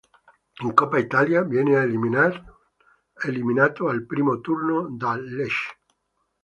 In Coppa Italia viene eliminato al primo turno dal Lecce.